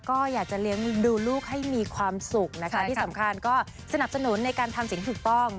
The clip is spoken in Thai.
ก็อยากจะเลี้ยงดูลูกให้มีความสุขนะคะที่สำคัญก็สนับสนุนในการทำสิ่งที่ถูกต้อง